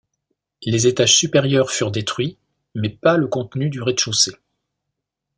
Les étages supérieurs furent détruits, mais pas le contenu du rez-de-chaussée.